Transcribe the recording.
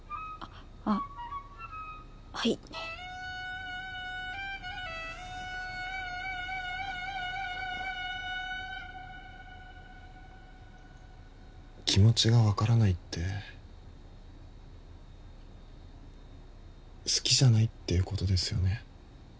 あっはい気持ちが分からないって好きじゃないってことですよね？